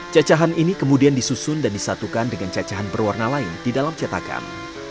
cacahan ini kemudian disusun dan disatukan dengan cacahan berwarna lain di dalam cetakan